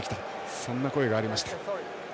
そんな声がありました。